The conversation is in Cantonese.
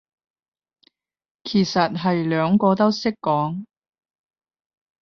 其實係兩個都識講